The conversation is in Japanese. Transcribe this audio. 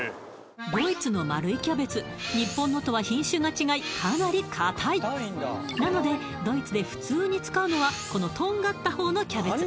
ドイツの丸いキャベツ日本のとは品種が違いかなり硬いなのでドイツで普通に使うのはこのとんがった方のキャベツ